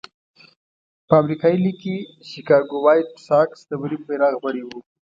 په امریکایي لېګ کې شکاګو وایټ ساکس د بري بیرغ وړی وو.